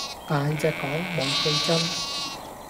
大隻講，無句真